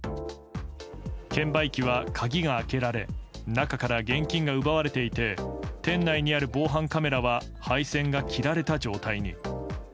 券売機は鍵が開けられ中から現金が奪われていて店内にある防犯カメラは配線が切られた状態に。